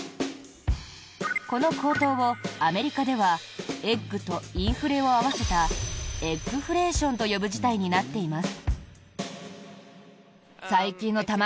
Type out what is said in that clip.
この高騰を、アメリカではエッグとインフレを合わせたエッグフレーションと呼ぶ事態になっています。